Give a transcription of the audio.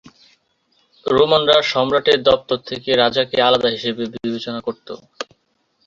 রোমানরা সম্রাটের দপ্তর থেকে রাজাকে আলাদা হিসাবে বিবেচনা করত।